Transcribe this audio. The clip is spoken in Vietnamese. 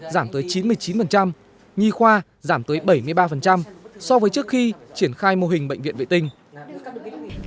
giảm tới chín mươi chín nhi khoa giảm tới bảy mươi ba so với trước khi triển khai mô hình bệnh viện vệ tinh